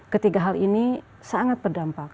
ketiga hal ini sangat berdampak